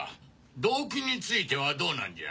動機についてはどうなんじゃ？